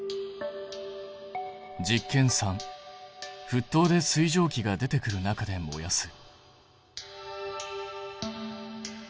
実験３ふっとうで水蒸気が出てくる中で燃やす。